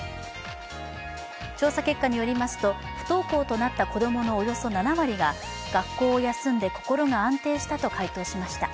調査結果によりますと不登校となった子供のおよそ７割が学校を休んで心が安定したと回答しました。